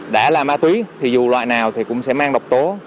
đã là ma túy thì dù loại nào thì cũng sẽ mang độc tố